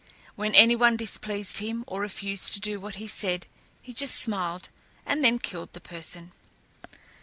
When any one displeased him or refused to do what he said he just smiled and then killed the person.